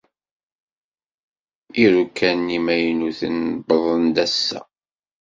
Iruka-nni imaynuten wwḍen-d ass-a.